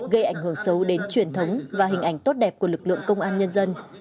gây ảnh hưởng xấu đến truyền thống và hình ảnh tốt đẹp của lực lượng công an nhân dân